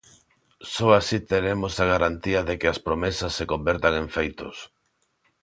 Só así teremos a garantía de que as promesas se convertan en feitos.